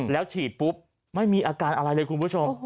แล้วฉีดปุ๊บไม่มีอาการอะไรเลยคุณผู้ชม